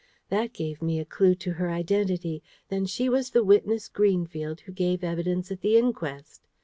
That gave me a clue to her identity. Then she was the witness Greenfield who gave evidence at the inquest!